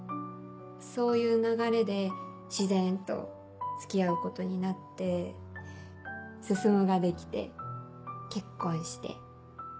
そういう流れで自然と付き合うことになって進ができて結婚して。